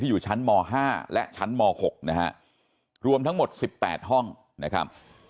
อยู่ชั้นม๕และชั้นม๖นะฮะรวมทั้งหมด๑๘ห้องนะครับ